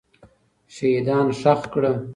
شهیدان ښخ کړه.